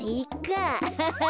アハハハハ。